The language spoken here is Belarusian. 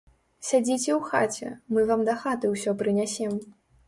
Сядзіце ў хаце, мы вам дахаты ўсё прынясем.